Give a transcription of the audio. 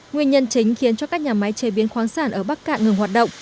nguyên nhân chính khiến cho các nhà máy chế biến khoáng sản ở bắc cạn ngừng hoạt động